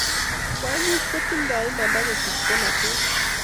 kwaknyik kotindo imanda kochut bolatet